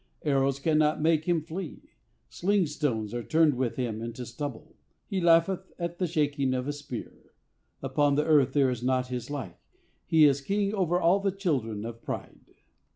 Arrows cannot make him flee; sling stones are turned with him into stubble. He laugheth at the shaking of a spear. Upon the earth there is not his like: he is king over all the children of pride."